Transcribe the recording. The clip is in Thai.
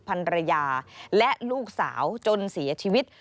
ภรรยาและลูกสาวจนเสียชีวิต